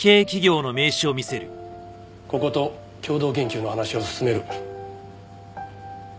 ここと共同研究の話を進める。